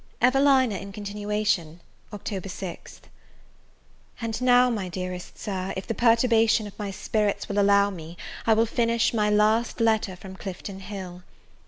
EVELINA IN CONTINUATION. Oct. 6th. AND now, my dearest Sir, if the perturbation of my spirits will allow me, I will finish my last letter from Clifton Hill.